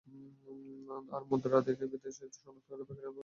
আমরা মুদ্রা দেখে দেশ শনাক্ত করে প্যাকেটের ওপর দেশের কোড লিখব।